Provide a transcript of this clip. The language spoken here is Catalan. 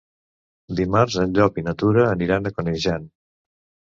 Dimarts en Llop i na Tura aniran a Canejan.